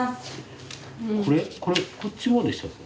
これこっちもでしたっけ？